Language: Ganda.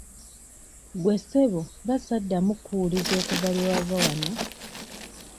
Gwe ssebo nga saddamu kkuwuliza okuva lwe wava wano?